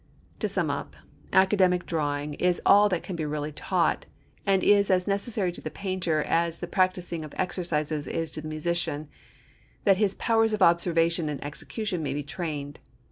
To sum up, academic drawing is all that can be really taught, and is as necessary to the painter as the practising of exercises is to the musician, that his powers of observation and execution may be trained.